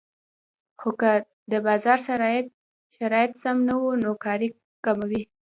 خو که د بازار شرایط سم نه وو نو کار کموي